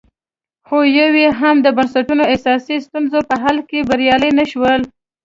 خو یو یې هم د بنسټونو اساسي ستونزو په حل کې بریالي نه شول